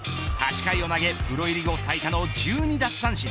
８回を投げプロ入り後最多の１２奪三振。